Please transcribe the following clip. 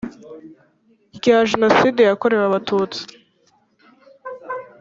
rya Jenoside yakorewe Abatutsi